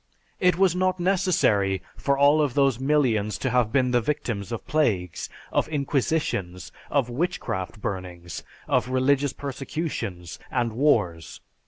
It was not necessary for all of those millions to have been the victims of plagues, of inquisitions, of witchcraft burnings, of religious persecutions and wars.